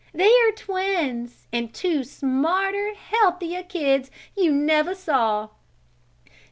They are twins, and two smarter, healthier kids you never saw.